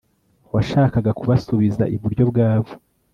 Washakaga kubasubiza iburyo bwabo